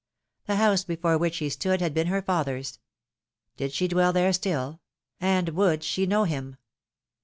The house before which he stood had been her father's. Did she dwell there still? And would she know him?